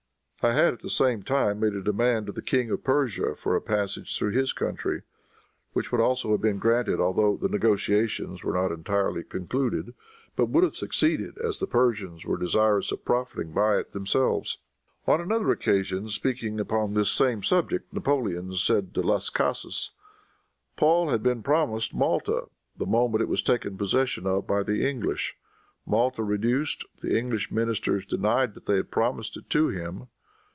I had, at the same time, made a demand to the King of Persia for a passage through his country, which would also have been granted, although the negotiations were not entirely concluded, but would have succeeded, as the Persians were desirous of profiting by it themselves." [Footnote 28: "Napoleon at St. Helena," p. 534.] On another occasion, speaking upon this same subject, Napoleon said to Las Casas, "Paul had been promised Malta the moment it was taken possession of by the English. Malta reduced, the English ministers denied that they had promised it to him.